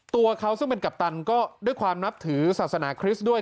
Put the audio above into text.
ตัวเขาซึ่งเป็นกัปตันก็ด้วยความนับถือศาสนาคริสต์ด้วย